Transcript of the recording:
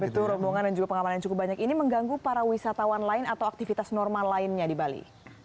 betul rombongan dan juga pengamanan cukup banyak ini mengganggu para wisatawan lain atau aktivitas normal lainnya di bali